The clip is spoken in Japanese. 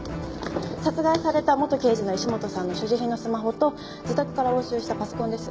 殺害された元刑事の石本さんの所持品のスマホと自宅から押収したパソコンです。